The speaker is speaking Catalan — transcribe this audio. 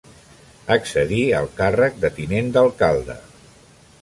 Accedí al càrrec de tinent d'alcalde.